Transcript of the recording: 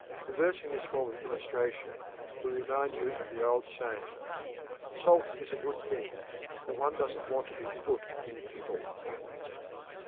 Reversing this form of illustration, we remind you of the old saying: "Salt is a good thing; but one doesn't want to be put in pickle."